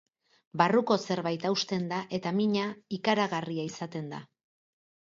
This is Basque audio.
Barruko zerbait hausten da, eta mina ikaragarria izaten da.